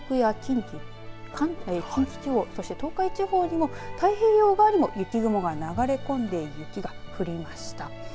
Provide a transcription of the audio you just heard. また東北や近畿地方そして東海地方にも太平洋側にも雪雲が流れこんで雪が降りました。